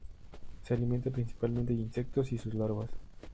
Se alimenta principalmente de insectos y sus larvas.